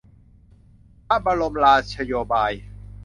พระบรมราโชบาย